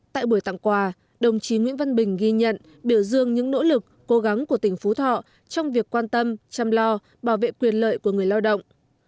tại buổi tặng quà đồng chí nguyễn văn bình ghi nhận biểu dương những nỗ lực cố gắng của tỉnh phú thọ trong việc quan tâm chăm lo bảo vệ quyền lợi của người lao động